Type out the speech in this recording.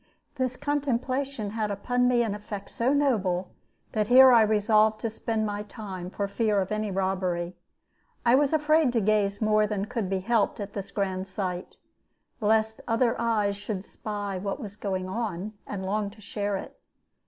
This contemplation had upon me an effect so noble that here I resolved to spend my time, for fear of any robbery. I was afraid to gaze more than could be helped at this grand sight, lest other eyes should spy what was going on, and long to share it.